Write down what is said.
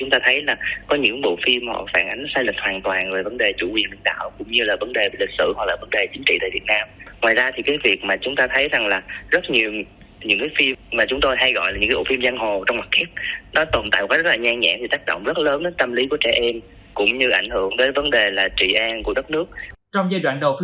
trong giai đoạn đầu phim chiếu mạng phát triển ồ ạc